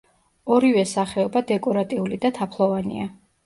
ორივე სახეობა დეკორატიული და თაფლოვანია.